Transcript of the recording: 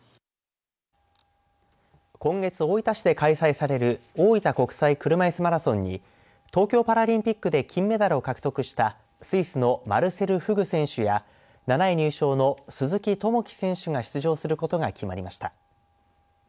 今月、大分市で開催される大分国際車いすマラソンに東京パラリンピックで金メダルを獲得したスイスのマルセル・フグ選手や７位入賞の鈴木朋樹選手が出場することが決まりました。